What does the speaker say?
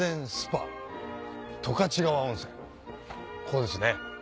ここですね。